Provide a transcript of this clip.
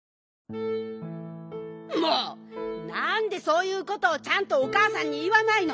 もうなんでそういうことをちゃんとおかあさんにいわないの？